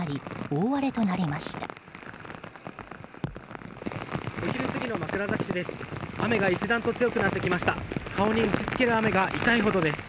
お昼過ぎの枕崎市です。